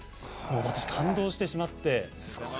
私、感動してしまって。